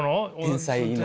天才の。